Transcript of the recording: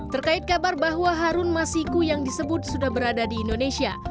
terkait kabar bahwa harun masiku yang disebut sudah berada di indonesia